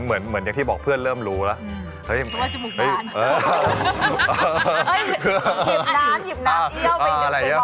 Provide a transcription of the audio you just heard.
อะไรอย่างเงี้ยค่ะ